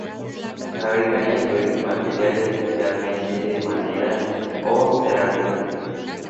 Se fabrican de diversos materiales, especialmente de madera o cerámica.